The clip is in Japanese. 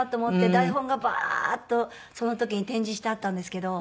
台本がバーッとその時に展示してあったんですけど。